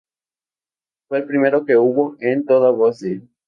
Fue el primero que hubo en toda Bosnia.